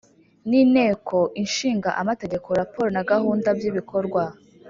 n’ inteko ishinga amategeko, raporo na gahunda by’ibikorwa